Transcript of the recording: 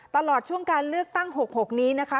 ตลอดช่วงการเลือกตั้ง๖๖นี้นะคะ